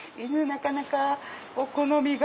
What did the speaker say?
なかなかお好みが。